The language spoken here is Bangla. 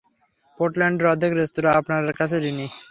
পোর্টল্যান্ডের অর্ধেক রেস্তোরাঁ আপনার কাছে ঋণী।